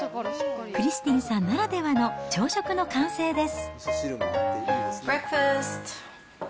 クリスティンさんならではの朝食の完成です。